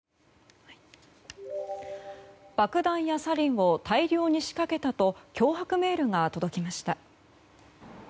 爆弾やサリンを大量に仕掛けたと脅迫メールが届きました。